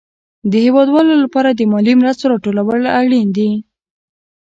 د هېوادوالو لپاره د مالي مرستو راټول اړين دي.